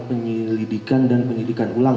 penyelidikan dan penyelidikan ulang